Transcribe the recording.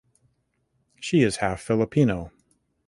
She is half Filipino.